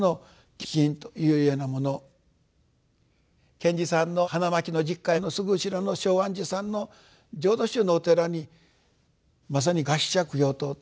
賢治さんの花巻の実家のすぐ後ろの松庵寺さんの浄土宗のお寺にまさに餓死者供養塔と。